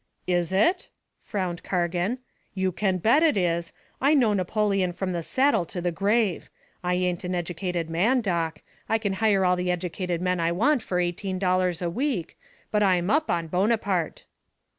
"Is it?" frowned Cargan. "You can bet it is. I know Napoleon from the cradle to the grave. I ain't an educated man, Doc I can hire all the educated men I want for eighteen dollars a week but I'm up on Bonaparte."